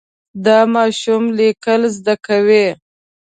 دا ماشوم لیکل زده کوي.